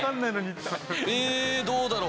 ええどうだろう？